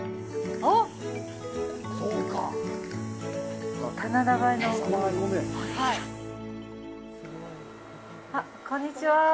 あっ、こんにちは。